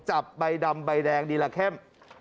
จับใบดำใบแดงดีละเข้ม